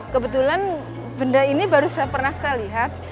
kebetulan benda ini baru pernah saya lihat